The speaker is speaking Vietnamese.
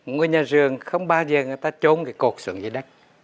ngôi nhà rường không bao giờ người ta trốn cái cột xuống dưới đất